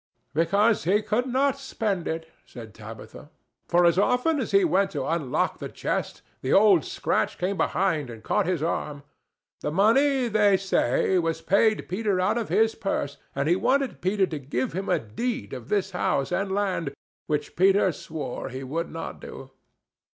"Because he could not spend it," said Tabitha, "for as often as he went to unlock the chest the Old Scratch came behind and caught his arm. The money, they say, was paid Peter out of his purse, and he wanted Peter to give him a deed of this house and land, which Peter swore he would not do."